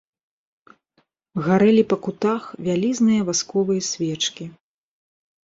Гарэлі па кутах вялізныя васковыя свечкі.